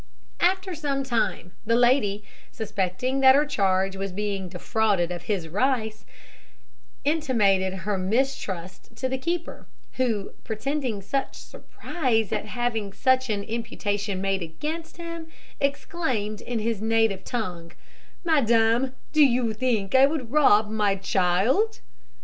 After some time the lady, suspecting that her charge was being defrauded of his rice, intimated her mistrust to the keeper, who, pretending surprise at having such an imputation made against him, exclaimed in his native tongue, "Madam, do you think I would rob my child?"